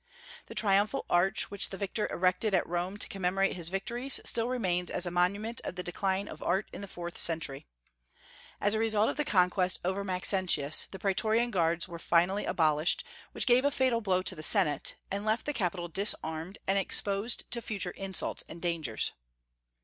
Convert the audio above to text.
The triumphal arch which the victor erected at Rome to commemorate his victories still remains as a monument of the decline of Art in the fourth century. As a result of the conquest over Maxentius, the Praetorian guards were finally abolished, which gave a fatal blow to the Senate, and left the capital disarmed and exposed to future insults and dangers.